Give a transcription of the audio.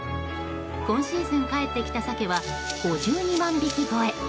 今シーズン帰ってきたサケは５２万匹超え。